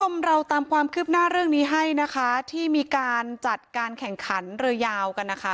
เราตามความคืบหน้าเรื่องนี้ให้นะคะที่มีการจัดการแข่งขันเรือยาวกันนะคะ